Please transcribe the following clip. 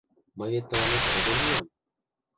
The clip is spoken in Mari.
Мый вет тыланет родо лиям.